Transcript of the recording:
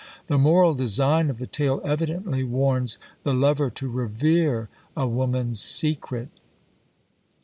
The moral design of the tale evidently warns the lover to revere a Woman's Secret!